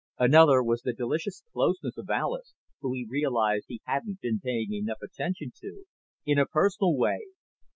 Another was the delicious closeness of Alis, who he realized he hadn't been paying enough attention to, in a personal way.